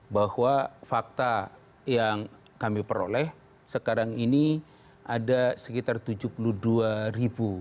bahwa fakta yang kami peroleh sekarang ini ada sekitar tujuh puluh dua ribu